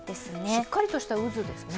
しっかりとした渦ですね。